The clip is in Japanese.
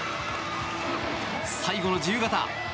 最後の自由形。